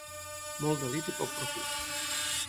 Molt delit i poc profit.